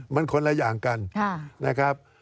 มันคนละอย่างกันนะครับ